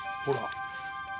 ほら。